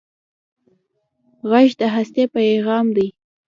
غږ د هستۍ پېغام دی